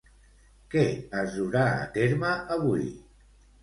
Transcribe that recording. Què es durà a terme avui?